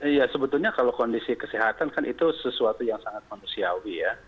iya sebetulnya kalau kondisi kesehatan kan itu sesuatu yang sangat manusiawi ya